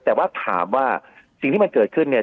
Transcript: แต่ว่าถามว่าสิ่งที่มันเกิดขึ้นเนี่ย